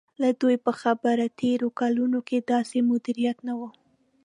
د دوی په خبره تېرو کلونو کې داسې مدیریت نه و.